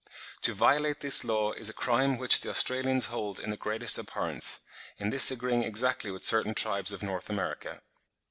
"To violate this law is a crime which the Australians hold in the greatest abhorrence, in this agreeing exactly with certain tribes of North America.